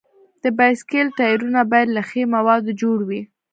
د بایسکل ټایرونه باید له ښي موادو جوړ وي.